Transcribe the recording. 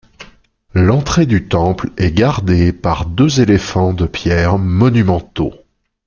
L’entrée du temple est gardée par deux éléphants de pierre monumentaux.